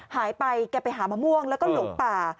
แกไปหามะม่วงแล้วก็หลงป่า